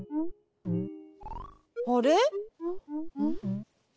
あれ？